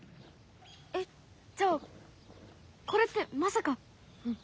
えっじゃあこれってまさか。